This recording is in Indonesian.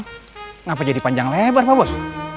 kenapa jadi panjang lebar pak bos